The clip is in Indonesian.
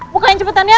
bukain cepetan ya